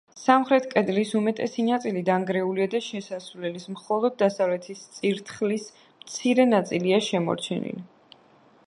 სამხრეთ კედლის უმეტესი ნაწილი დანგრეულია და შესასვლელის მხოლოდ დასავლეთ წირთხლის მცირე ნაწილია შემორჩენილი.